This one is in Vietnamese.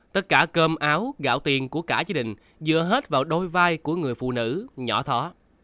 tất cả cơm áo gạo tiền của cả gia đình dựa hết vào đôi vai của người phụ nữ nhỏ thỏ